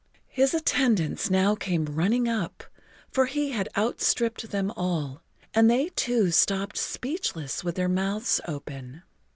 His attendants now came running up, for he had outstripped them all, and they too stopped speechless with their mouths open.